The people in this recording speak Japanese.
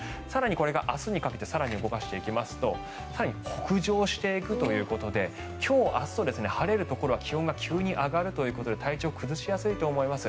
これが明日にかけて更に動かしていきますと更に北上していくということで今日明日と晴れるところは気温が急に上がるということで体調崩しやすいと思います。